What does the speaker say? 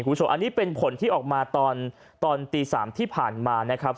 คุณผู้ชมอันนี้เป็นผลที่ออกมาตอนตี๓ที่ผ่านมานะครับ